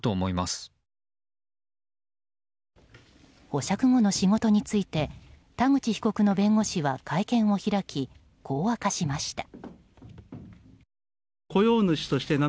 保釈後の仕事について田口被告の弁護士は会見を開きこう明かしました。